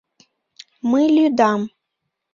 — Мый лӱдам...